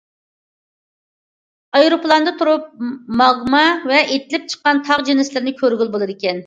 ئايروپىلاندا تۇرۇپ ماگما ۋە ئېتىلىپ چىققان تاغ جىنسلىرىنى كۆرگىلى بولىدىكەن.